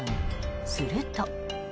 すると。